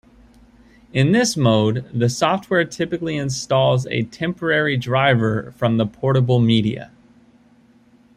In this mode, the software typically installs a temporary driver from the portable media.